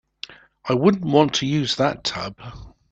I wouldn't want to use that tub.